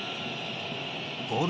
ゴール